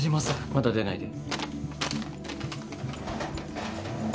まだ出ないで。